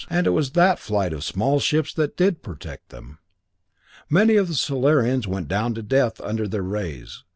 And it was that flight of small ships that did protect them. Many of the Solarians went down to death under their rays.